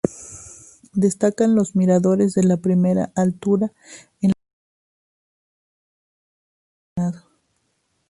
Destacan los miradores de la primera altura en la fachada principal con rico artesonado.